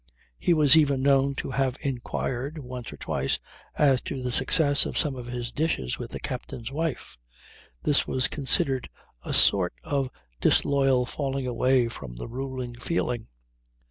He was even known to have inquired once or twice as to the success of some of his dishes with the captain's wife. This was considered a sort of disloyal falling away from the ruling feeling.